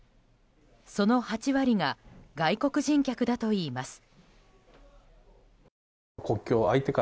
その８割が外国人客だといいます。